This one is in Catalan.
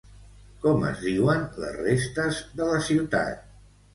Com es diuen les restes de la ciutat?